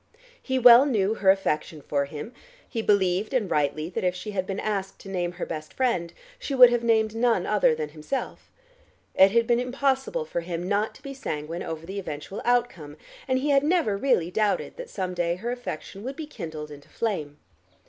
He well knew her affection for him; he believed, and rightly, that if she had been asked to name her best friend, she would have named none other than himself. It had been impossible for him not to be sanguine over the eventual outcome, and he had never really doubted that some day her affection would be kindled into flame.